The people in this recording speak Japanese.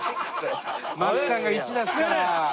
槙さんが１出すから。